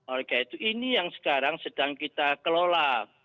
oleh karena itu ini yang sekarang sedang kita kelola